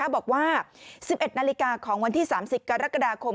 บอกว่า๑๑นาฬิกาของวันที่๓๐กรกฎาคม